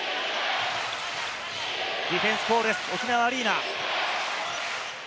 ディフェンスコールです、沖縄アリーナ。